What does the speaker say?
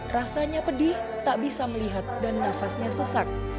rasanya pedih tak bisa melihat dan nafasnya sesak